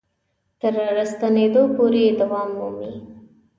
تر راستنېدو پورې دوام مومي.